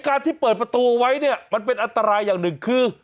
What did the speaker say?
การที่เปิดประตูเอาไว้เนี่ยมันเป็นอันตรายอย่างหนึ่งคือ